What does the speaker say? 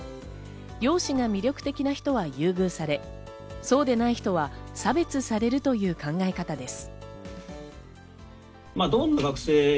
容姿が魅力的な人は優遇され、そうでない人は差別されるという考え方です。